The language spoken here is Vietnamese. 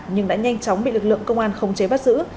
nhưng đã nhanh chóng bị lực lượng công an khống chế bắt giữ